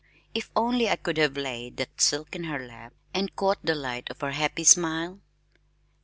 If only I could have laid the silk in her lap, and caught the light of her happy smile!